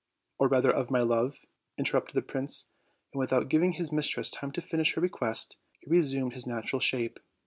"Or rather of my love," interrupted the prince; and, without giving his mistress time to finish her request, he resumed his natural shape.